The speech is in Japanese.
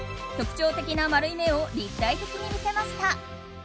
特徴的な丸い目を立体的に見せました。